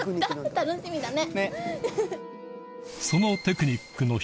楽しみだね。